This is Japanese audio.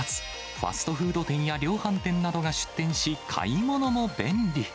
ファストフード店や量販店などが出店し、買い物も便利。